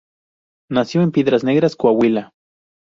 Nació en Piedras Negras, Coahuila.